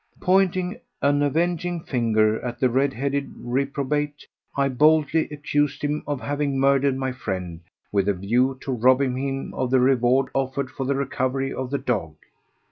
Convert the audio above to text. Pointing an avenging finger at the red headed reprobate, I boldly accused him of having murdered my friend with a view to robbing him of the reward offered for the recovery of the dog.